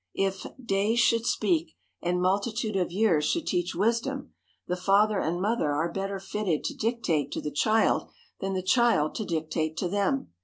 If "days should speak, and multitude of years should teach wisdom," the father and mother are better fitted to dictate to the child than the child to dictate to them.